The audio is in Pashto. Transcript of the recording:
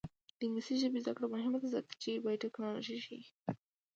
د انګلیسي ژبې زده کړه مهمه ده ځکه چې بایوټیکنالوژي ښيي.